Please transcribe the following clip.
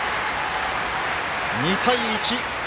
２対１。